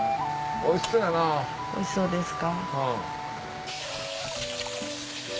おいしそうですか？